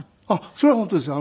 それは本当です。